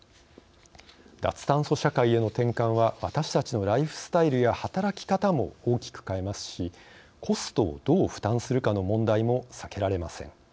脱炭素社会への転換は私たちのライフスタイルや働き方も大きく変えますしコストをどう負担するかの問題も避けられません。